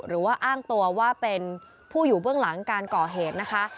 หรือว่าอ้างตัวว่าเป็นผู้อยู่เบื้องหลังการก่อเหตุนะคะ